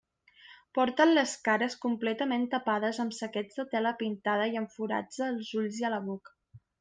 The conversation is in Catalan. Porten les cares completament tapades amb saquets de tela pintada i amb forats als ulls i a la boca.